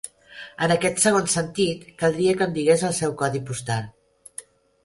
En aquest segon sentit, caldria que em digués el seu codi postal.